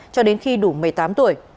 cho đến khi đủ một mươi tám tuổi